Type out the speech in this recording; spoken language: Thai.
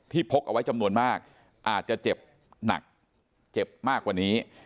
พกเอาไว้จำนวนมากอาจจะเจ็บหนักเจ็บมากกว่านี้